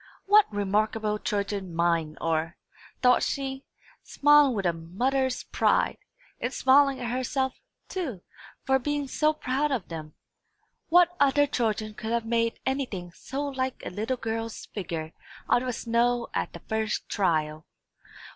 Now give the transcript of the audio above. "What remarkable children mine are!" thought she, smiling with a mother's pride; and, smiling at herself, too, for being so proud of them. "What other children could have made anything so like a little girl's figure out of snow at the first trial?